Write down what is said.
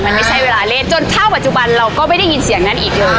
มันไม่ใช่เวลาเล่นจนเท่าปัจจุบันเราก็ไม่ได้ยินเสียงนั้นอีกเลย